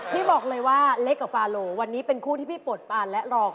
พี่บอกเลยว่าเล็กกว่าฟาโลวันนี้เป็นคู่ที่พี่ปวดปานและรอง